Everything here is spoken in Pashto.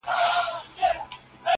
دغزل جامونه وېسي ,